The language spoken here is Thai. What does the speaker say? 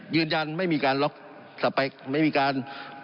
ยืนยันไม่มีการล็อกสเปคไม่มีการ